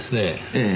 ええ。